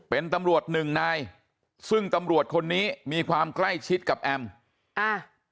เป็นตำรวจหนึ่งนายซึ่งตำรวจคนนี้มีความใกล้ชิดกับแอมอ่า